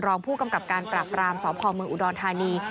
รองผู้กำกับการปราบรามสพเมืองอุดรธานี